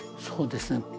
そうですね。